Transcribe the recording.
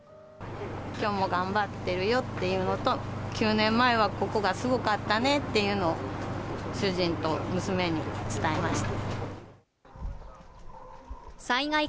きょうも頑張ってるよっていうのと、９年前はここがすごかったねっていうのを、主人と娘に伝えました。